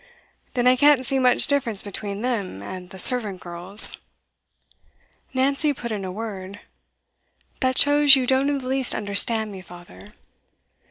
Then I can't see much difference between them and the servant girls.' Nancy put in a word. 'That shows you don't in the least understand me, father.